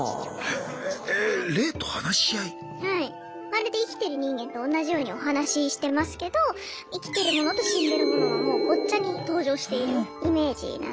まるで生きてる人間とおんなじようにお話ししてますけど生きてる者と死んでる者がもうごっちゃに登場しているイメージなんですね。